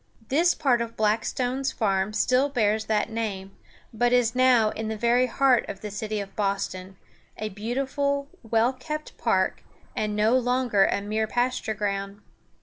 This part of Blackstone's farm still bears that name, but it is now in the very heart of the city of Boston, a beautiful, well kept park, and no longer a mere pasture ground.